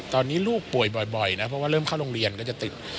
ตอนนี้ลูกป่วยบ่อยนะเพราะว่าเริ่มเข้าโรงเรียนก็จะติด